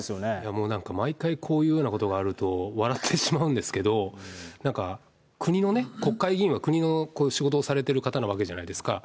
もうなんか、毎回こういうようなことがあると、笑ってしまうんですけれども、なんか、国のね、国会議員は国のこういう仕事をされてる方なわけじゃないですか。